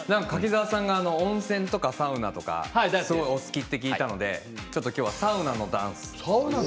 柿澤さんが温泉やサウナがお好きと聞いたので今日はサウナのダンス